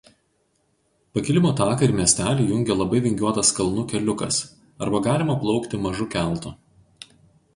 Pakilimo taką ir miestelį jungia labai vingiuotas kalnų keliukas arba galima plaukti mažu keltu.